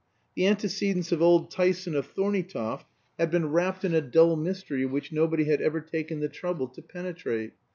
The antecedents of old Tyson of Thorneytoft had been wrapped in a dull mystery which nobody had ever taken the trouble to penetrate.